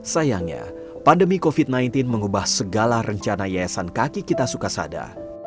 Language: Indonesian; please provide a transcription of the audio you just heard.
sayangnya pandemi covid sembilan belas mengubah segala rencana yayasan kaki kita sukasada